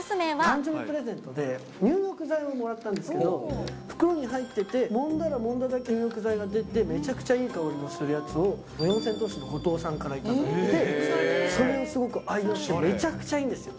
誕生日プレゼントで入浴剤をもらったんですけど、袋に入っててもんだらもんだだけ入浴剤が出て、めちゃくちゃいい香りのするやつを、四千頭身の後藤さんから頂いて、それをすごく愛用してて、めちゃくちゃいいんですよ。